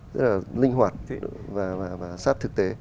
rất là linh hoạt và sáp thực tế